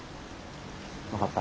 分かった。